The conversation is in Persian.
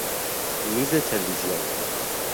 میز تلوزیون